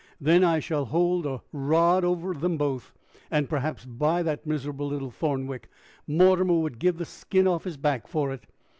"Then I shall hold a rod over them both, and perhaps buy that miserable little Thornwick. Mortimer would give the skin off his back for it."